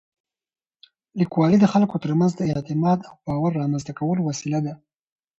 لیکوالی د خلکو تر منځ د اعتماد او باور رامنځته کولو وسیله ده.